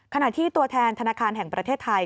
ขณะที่ตัวแทนธนาคารแห่งประเทศไทย